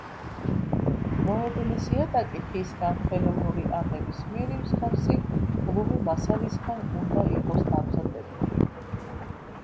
მოედნის იატაკი ხისგან, ხელოვნური ან ნებისმიერი მსგავსი გლუვი მასალისგან უნდა იყოს დამზადებული.